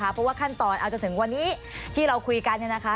เพราะว่าขั้นตอนเอาจนถึงวันนี้ที่เราคุยกันเนี่ยนะคะ